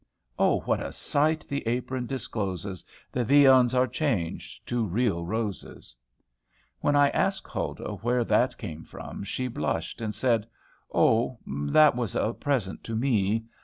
"Oh! what a sight the apron discloses; The viands are changed to real roses!" When I asked Huldah where that came from, she blushed, and said, "Oh, that was a present to me!"